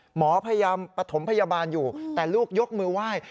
หมอพยายามปฐมพยาบาลอยู่แต่ลูกยกมือไหว้